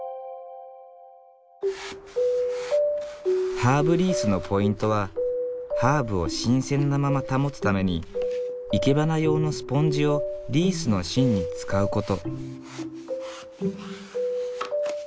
ハーブリースのポイントはハーブを新鮮なまま保つために生け花用のスポンジをリースの芯に使うこと。